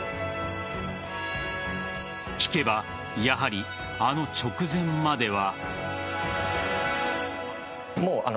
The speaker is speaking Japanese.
聞けば、やはりあの直前までは。